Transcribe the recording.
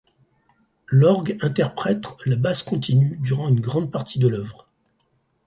L'orgue interprète la basse continue durant une grande partie de l'œuvre.